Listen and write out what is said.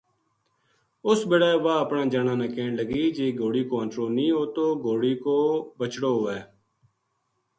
اُس بِڑے واہ اپنا جنا نا کہن لگی جی گھوڑی کو انٹڑو نہیہ ہوتو گھوڑی کو بَچڑو ہوے